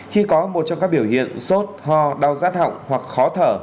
khi có một trong các biểu hiện sốt ho đau rát họng hoặc khó thở